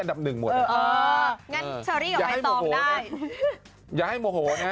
ถึงว่าคงเราทุกวันนะ